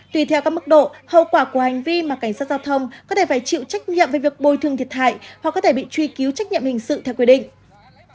tùy theo các mức độ hậu quả của hành vi mà cảnh sát giao thông có thể phải chịu trách nhiệm về việc bồi thương thiệt hại hoặc có thể bị truy cứu trách nhiệm hình sự theo quy định